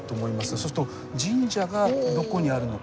そうすると神社がどこにあるのか。